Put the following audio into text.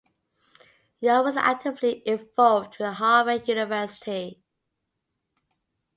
Young was actively involved with Harvard University.